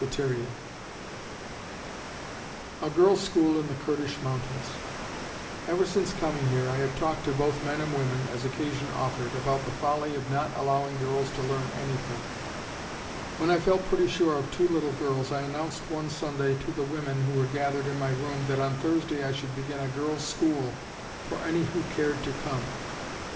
Soc. Pres.) A GIRLS' SCHOOL IN THE KURDISH MOUNTAINS Ever since coming here I have talked to both men and women, as occasion offered, about the folly of not allowing girls to learn anything. When I felt pretty sure of two little girls, I announced one Sunday to the women who were gathered in my room that on Thursday I should begin a girls' school for any who cared to come.